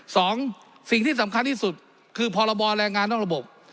สองสิ่งที่สำคัญที่สุดคือพรบแรงงานนอกระบบ